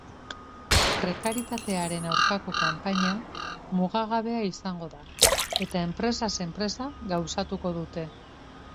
Prekarietatearen aurkako kanpaina mugagabea izango da, eta enpresaz enpresa gauzatuko dute.